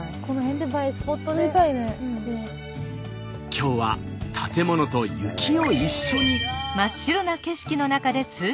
今日は建物と雪を一緒に。